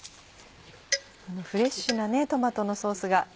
フレッシュなトマトのソースが。